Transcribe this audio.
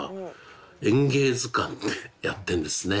『演芸図鑑』ってやってるんですね。